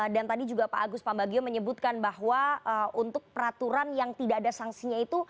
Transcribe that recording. dan tadi juga pak agus pambagio menyebutkan bahwa untuk peraturan yang tidak ada sanksinya itu